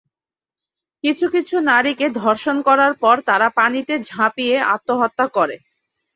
কিছু কিছু নারীকে ধর্ষণ করার পর তারা পানিতে ঝাঁপিয়ে আত্মহত্যা করে।